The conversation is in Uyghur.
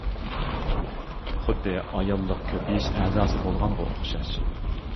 خۇددى ئاياللىق كۆپىيىش ئەزاسى بولغانغا ئوخشاش.